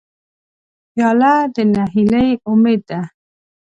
پیاله د نهیلۍ امید ده.